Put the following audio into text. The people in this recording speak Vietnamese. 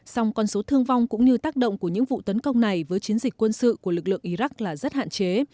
song con số thương vong cũng như tác động của những vụ tấn công này với chiến dịch quân sự của lực lượng iraq là rất hạn chế